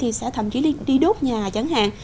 thì sẽ thậm chí đi đốt nhà chẳng hạn